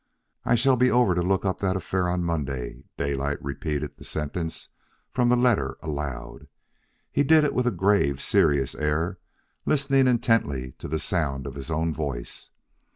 "I shall be over to look that affair up on Monday." Daylight repeated the sentence from the letter aloud. He did it with a grave, serious air, listening intently to the sound of his own voice.